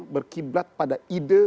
berkiblat pada ide